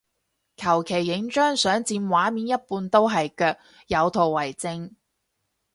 求其影張相佔畫面一半都係腳，有圖為證